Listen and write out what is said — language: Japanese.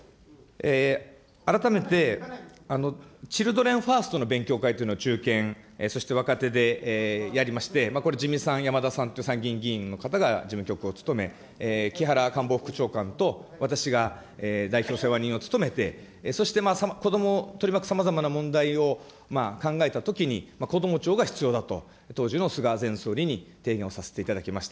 改めてチルドレンファーストの勉強会というのを、中堅、そして若手でやりまして、これ、さん、やまださんという参議院議員の方が事務局を務め、木原官房副長官と私が代表世話人を務め、そして子どもを取り巻くさまざまな問題を考えたときに、こども庁が必要だと、当時の菅前総理に提案をさせていただきました。